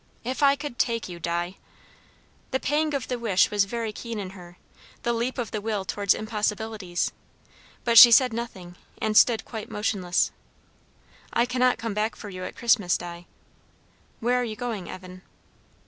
If I could take you, Di!" The pang of the wish was very keen in her; the leap of the will towards impossibilities; but she said nothing and stood quite motionless. "I cannot come back for you at Christmas, Di." "Where are you going, Evan."